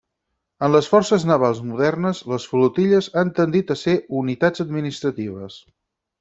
En les forces navals modernes, les flotilles han tendit a ser unitats administratives.